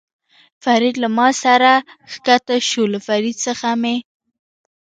فرید له ما سره را کښته شو، له فرید څخه مې.